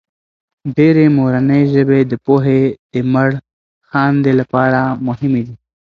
ډېرې مورنۍ ژبې د پوهې د مړخاندې لپاره مهمې دي.